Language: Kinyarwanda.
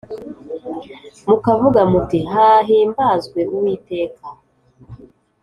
mukavuga muti hahimbazwe Uwiteka